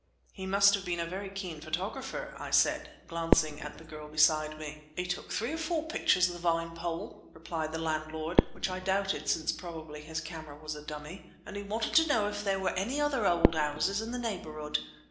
"He must have been a very keen photographer," I said, glancing at the girl beside me. "He took three or four pictures of the Vinepole," replied the landlord (which I doubted, since probably his camera was a dummy); "and he wanted to know if there were any other old houses in the neighbourhood.